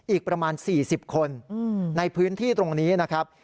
อีกประมาณ๔๐คนในพื้นที่ตรงนี้นะครับ